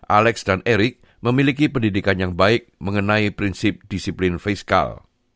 alex dan erik memiliki pendidikan yang baik mengenai prinsip disiplin fiskal